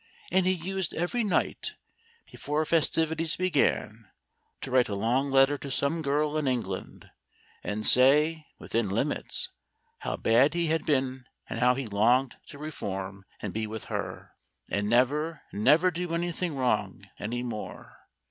And he used every night, before festivities began, to write a long letter to some girl in England, and say, within limits, how bad he had been and how he longed to reform and be with her, and never, never do anything wrong any more.